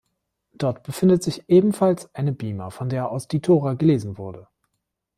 Dort befindet sich ebenfalls eine Bima, von der aus der Tora gelesen wurde.